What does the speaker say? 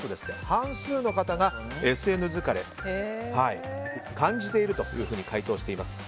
半数の方がＳＮＳ疲れを感じていると回答しています。